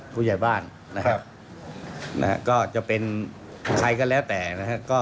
ผู้ใหญ่บ้านนะครับนะฮะก็จะเป็นใครก็แล้วแต่นะครับ